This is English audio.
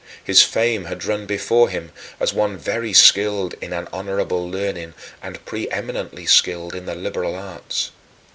His fame had run before him, as one very skilled in an honorable learning and pre eminently skilled in the liberal arts.